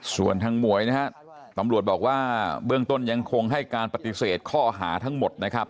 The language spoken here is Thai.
ส่วนทางหมวยนะฮะตำรวจบอกว่าเบื้องต้นยังคงให้การปฏิเสธข้อหาทั้งหมดนะครับ